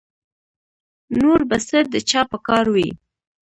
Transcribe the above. نور به څه د چا په کار وي